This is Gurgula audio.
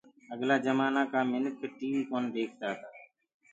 اگلآ جمآنآ ڪآ منک ٽي وي ڪونآ ديکدآ تآ۔